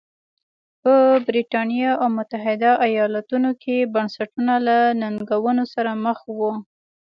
په برېټانیا او متحده ایالتونو کې بنسټونه له ننګونو سره مخ وو.